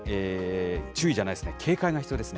注意じゃないですね、警戒が必要ですね。